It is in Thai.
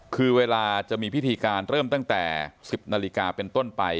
คือเวลาจะมีพิธีการเริ่มตั้งแต่๑๐นาฬิกาเป็นต้นไป